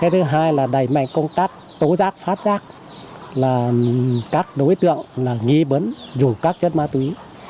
thứ hai là đẩy mạnh công tác tố giác phát giác là các đối tượng nghi vấn dùng các chất ma túy